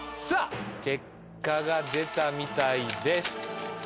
さあ結果が出たみたいです。